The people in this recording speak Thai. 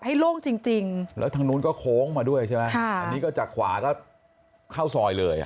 โล่งจริงจริงแล้วทางนู้นก็โค้งมาด้วยใช่ไหมค่ะอันนี้ก็จากขวาก็เข้าซอยเลยอ่ะ